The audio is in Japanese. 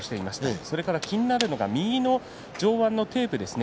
それから気になるのが右の上腕のテープですね。